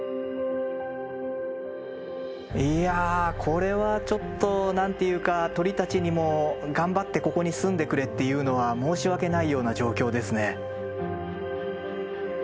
いやこれはちょっと何て言うか鳥たちにも頑張ってここに住んでくれっていうのは申し訳ないような状況ですね。